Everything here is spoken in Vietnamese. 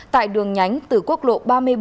tại đường nhánh từ quốc lộ ba mươi bảy